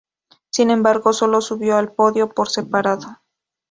Sin embargo, sólo subió al podio por separado.